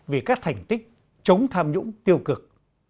vì các thành tích chống tham nhũng tiêu cực